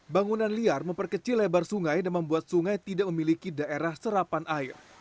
bangunan liar memperkecil lebar sungai dan membuat sungai tidak memiliki daerah serapan air